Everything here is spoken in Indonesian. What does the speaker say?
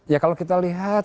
ya kalau kita lihat